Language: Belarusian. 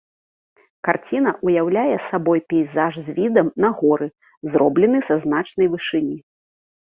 Карціна ўяўляе сабой пейзаж з відам на горы, зроблены са значнай вышыні.